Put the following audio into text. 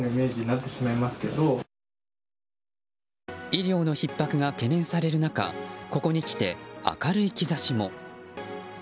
医療のひっ迫が懸念される中ここへきて明るい兆しも。